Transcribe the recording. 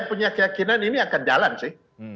punya keyakinan ini akan jalan sih